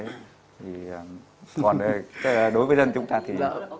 thì còn đối với dân chúng ta thì